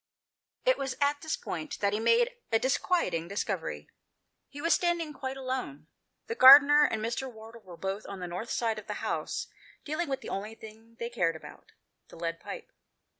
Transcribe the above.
It was at this point that he made a disquiet ing discovery. He was standing quite alone. The gardener and Mr. Wardle were both on the north side of the house, dealing with the only thing they cared about — the lead pipe.